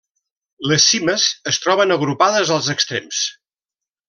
Les cimes es troben agrupades als extrems.